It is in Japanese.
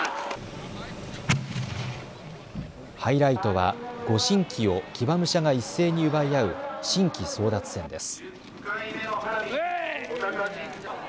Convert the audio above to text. ハイライトは御神旗を騎馬武者が一斉に奪い合う神旗争奪戦です。